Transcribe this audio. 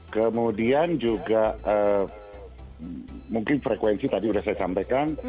kemudian juga mungkin frekuensi tadi sudah saya sampaikan